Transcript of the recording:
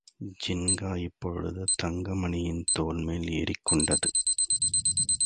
ஜின்கா இப்பொழுது தங்கமணியின் தோள்மேல் ஏறிக்கொண்டது.